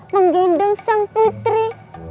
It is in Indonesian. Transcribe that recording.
menggendong sang putri